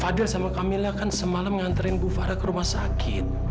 fadil sama kamilnya kan semalam nganterin bu farah ke rumah sakit